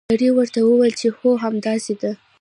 سړي وویل چې هو همداسې ده.